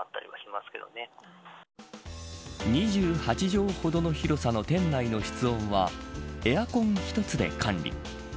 ２８畳ほどの広さの店内の室温はエアコン一つで管理。